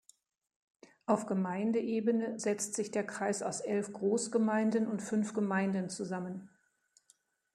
Auf Gemeindeebene setzt sich der Kreis aus elf Großgemeinden und fünf Gemeinden zusammen.